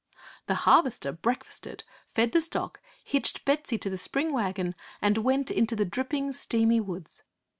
The Harvester breakfasted, fed the stock, hitched Betsy to the spring wagon, and went into the dripping, steamy woods.